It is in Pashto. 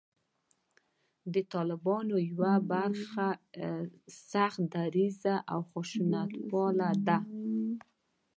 د طالبانو یوه برخه سخت دریځه او خشونتپاله ده